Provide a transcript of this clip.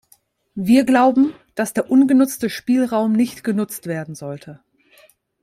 Wir glauben, dass der ungenutzte Spielraum nicht genutzt werden sollte.